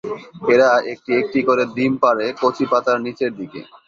এরা একটি একটি করে ডিম পাড়ে কচি পাতার নিচের দিকে।